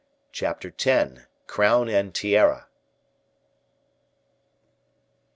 Chapter X. Crown and Tiara.